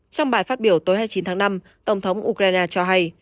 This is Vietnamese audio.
trong bài phát biểu tối hai mươi chín tháng năm tổng thống ukraine cho hay